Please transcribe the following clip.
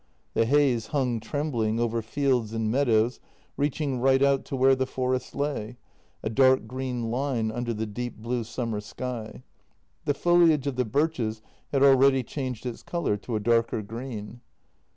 The haze hung trembling over fields and meadows, reaching right out to where the forest lay, a dark green line under the deep blue summer sky. The foliage of the birches had already changed its colour to a darker green.